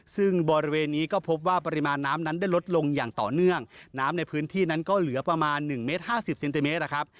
ซึ่งบริเวณนี้ก็พบว่าปริมาณน้ำนั้นได้ลดลงอย่างต่อเนื่องน้ำในพื้นที่นั้นก็เหลือประมาณหนึ่งเมตรห้าสิบเซนติเมตรนะครับ